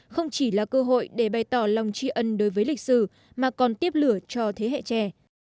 không chỉ là cơ hội để bày tỏ lòng tri ân đối với lịch sử mà còn tiếp lửa cho thế hệ trẻ